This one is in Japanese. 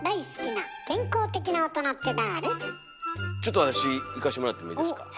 ちょっと私いかせてもらってもいいですか？